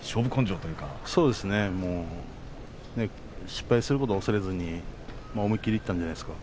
失敗することを恐れずに思い切りいったんじゃないですか。